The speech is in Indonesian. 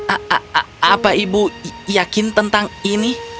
a a a apa ibu yakin tentang ini